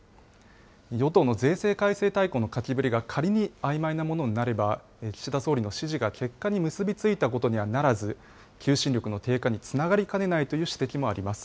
与党の税制改正大綱の書きぶりが仮にあいまいなものになれば、岸田総理の指示が結果に結びついたことにはならず、求心力の低下につながりかねないという指摘もあります。